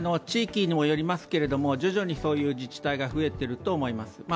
地域にもよりますけど徐々にそういう自治体が増えていると思います。